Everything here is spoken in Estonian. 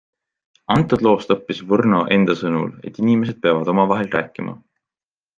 Antud loost õppis Võrno enda sõnul, et inimesed peavad omavahel rääkima.